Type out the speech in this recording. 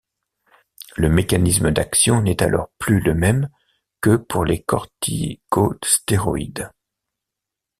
Le mécanisme d'action n'est alors plus le même que pour les corticostéroïdes.